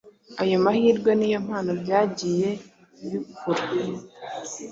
ayo mahirwe n’iyo mpano byagiye bikura.